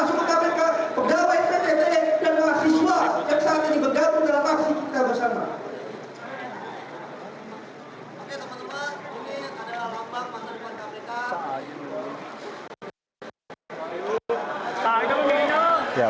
oke teman teman ini adalah lambang mata pemerintah